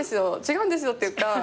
違うんですよっていうか